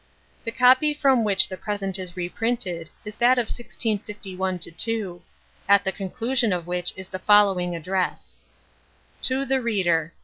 The copy from which the present is reprinted, is that of 1651 2; at the conclusion of which is the following address: "TO THE READER.